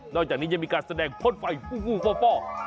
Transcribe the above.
จากนี้ยังมีการแสดงพ่นไฟฟูฟ่อ